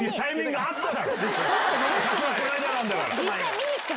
この間なんだから。